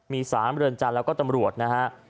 มี๓เรือนจันทร์แล้วก็ตำรวจนะฮะ